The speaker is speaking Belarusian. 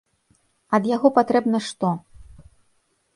Ад яго патрэбна што?